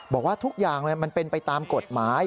บอกว่าทุกอย่างมันเป็นไปตามกฎหมาย